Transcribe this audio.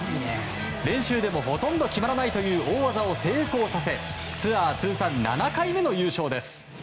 練習でも、ほとんど決まらないという大技を成功させツアー通算７回目の優勝です。